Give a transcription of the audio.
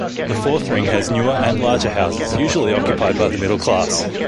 The fourth ring has newer and larger houses usually occupied by the middle-class.